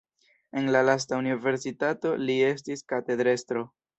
En la lasta universitato li estis katedrestro.